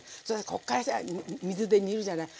こっからさ水で煮るじゃない。